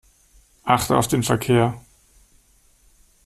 Achte auf den Verkehr.